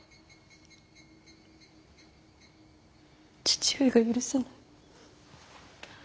父上が許せない。